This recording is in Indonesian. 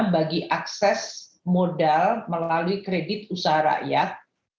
bagi akses modal melalui kredit usaha rakyat